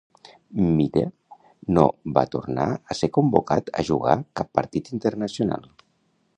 Milla no va tornar a ser convocat a jugar cap partit internacional.